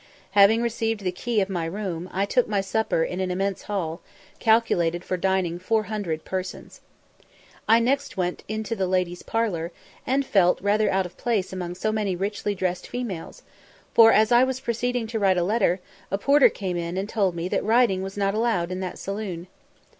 Having received the key of my room, I took my supper in an immense hall, calculated for dining 400 persons. I next went into the ladies' parlour, and felt rather out of place among so many richly dressed females; for as I was proceeding to write a letter, a porter came in and told me that writing was not allowed in that saloon.